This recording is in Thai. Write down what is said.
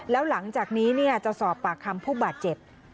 แล้วหลังจากนี้จะสอบปากคำผู้บาดเจ็บ